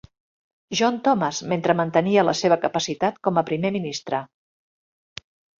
John Thomas, mentre mantenia la seva capacitat com a Primer ministre.